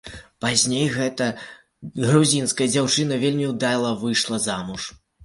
Пазней гэта грузінская дзяўчына вельмі ўдала выйшла замуж.